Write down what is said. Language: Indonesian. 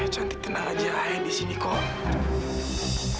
cantik tenang aja ayan disini kok